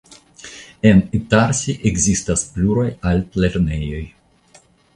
En Itarsi ekzistas pluraj altlernejoj.